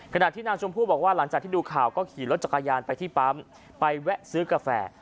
ขณะที่นางชมพู่บอกว่าหลังจากที่ดูข่าวก็ขี่รถจักรยานไปที่ปั๊มไปแวะซื้อกาแฟ